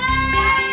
terima kasih bu